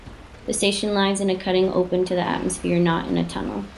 The station lies in a cutting open to the atmosphere, not in a tunnel.